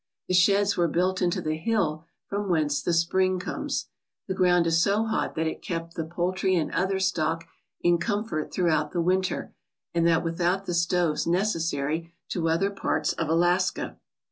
The sheds were built into the hill from whence the spring comes. The ground is so hot that it kept the poultry and other stock in comfort throughout the winter, and that without the stoves necessary to other parts of Alaska.